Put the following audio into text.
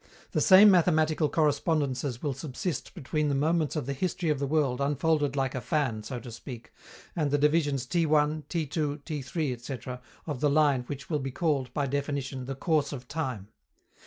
The same mathematical correspondences will subsist between the moments of the history of the world unfolded like a fan, so to speak, and the divisions T_, T_, T_, ... of the line which will be called, by definition, "the course of time."